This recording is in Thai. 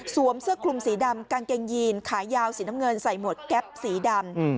เสื้อคลุมสีดำกางเกงยีนขายาวสีน้ำเงินใส่หมวดแก๊ปสีดำ